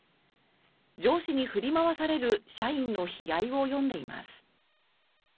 上司に振り回される社員の悲哀を詠んでいます。